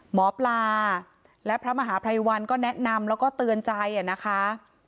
หมอปลาและพระมหาภัยวันก็แนะนำแล้วก็เตือนใจนะคะ